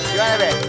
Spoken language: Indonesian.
jual ya be